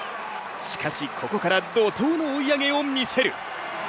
しかし、ここから怒とうの追い上げを見せる。